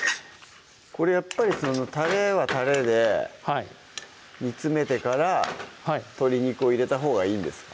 これやっぱりタレはタレで煮詰めてから鶏肉を入れたほうがいいんですか？